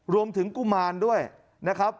รวมถึงกุมารด้วยนะครับ